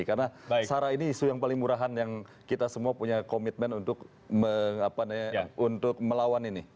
karena sarah ini isu yang paling murahan yang kita semua punya komitmen untuk melawan ini